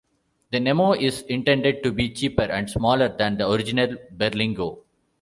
The Nemo is intended to be cheaper and smaller than the original Berlingo.